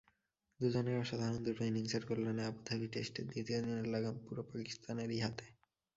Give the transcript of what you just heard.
দুজনের অসাধারণ দুটো ইনিংসের কল্যাণে আবুধাবি টেস্টের দ্বিতীয় দিনের লাগাম পুরো পাকিস্তানেরই হাতে।